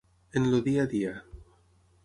En el dia a dia.